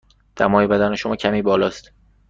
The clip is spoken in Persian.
دمای بدن شما کمی بالا است.